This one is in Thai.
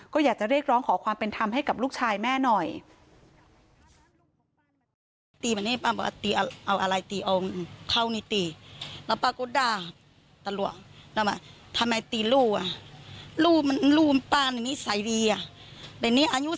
ก็อยากจะเรียกร้องขอความเป็นธรรมให้กับลูกชายแม่หน่อย